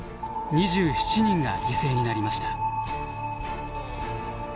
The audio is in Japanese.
２７人が犠牲になりました。